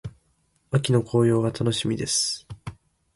秋の紅葉が楽しみです。